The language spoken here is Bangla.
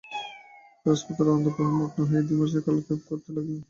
রাজপুত্র আনন্দপ্রবাহে মগ্ন হইয়া দিবাবসানপ্রতীক্ষায় কালক্ষেপ করিতে লাগিলেন।